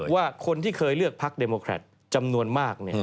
ว่าคนที่เคยเลือกพักเดโมแครตจำนวนมาก